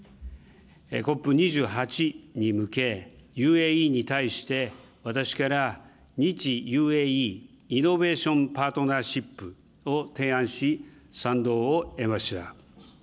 ＣＯＰ２８に向け、ＵＡＥに対して、私から、日ＵＡＥイノベーション・パートナーシップを提案し、賛同を得ました。